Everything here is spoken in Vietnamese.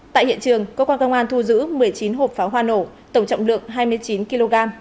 tại hiện trường cơ quan công an thu giữ một mươi chín hộp pháo hoa nổ tổng trọng lượng hai mươi chín kg